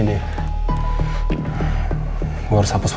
adakah kamu effective moral